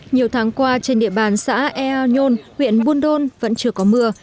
nhiều tháng qua trên địa bàn xã eo nhôn huyện buôn đôn vẫn chưa có mưa